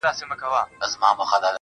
• ه چیري یې د کومو غرونو باد دي وهي.